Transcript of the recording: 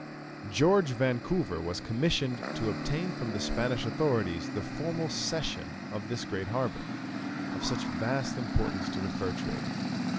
George Vancouver was commissioned to obtain from the Spanish authorities the formal cession of this great harbour, of such vast importance to the fur trade.